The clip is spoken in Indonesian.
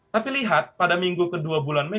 tapi lihat pada minggu kedua bulan mei